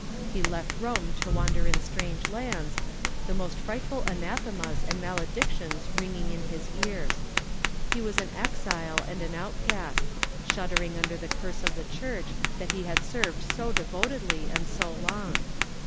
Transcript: He left Rome to wander in strange lands, the most frightful anathemas and maledictions ringing in his ears. He was an exile and an outcast, shuddering under the curse of the church that he had served so devotedly and so long.